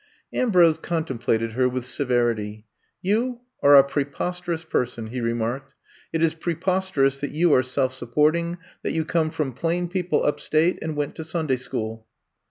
Ambrose contemplated her with severity. You are a preposterous person, he re marked. It is preposterous that you are self supporting, that you come from plain people up state, and went to Sunday school.